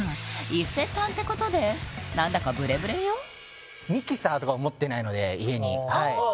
伊勢丹ってことで何だかブレブレよミキサーとかも持ってないので家にああ